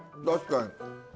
確かに。